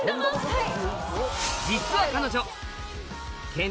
はい。